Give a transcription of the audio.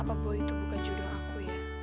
apa boy itu bukan jodoh aku ya